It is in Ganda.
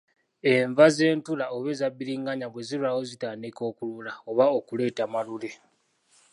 Enva z’entula oba eza bbiringanya bwe zirwawo zitandika okulula oba okuleeta Malule.